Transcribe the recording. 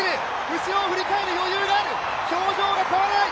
後を振り返る余裕がある、表情が変わらない。